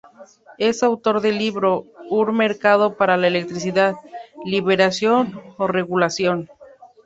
Es autor del libro "Un mercado para la electricidad ¿Liberalización o regulación?